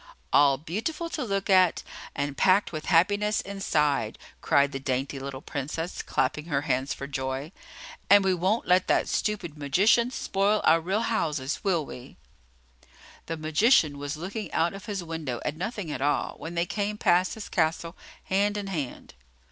"All beautiful to look at, and packed with happiness inside!" cried the dainty little Princess, clapping her hands for joy. "And we won't let that stupid magician spoil our real houses, will we?" The magician was looking out of his window at nothing at all, when they came past his castle, hand in hand.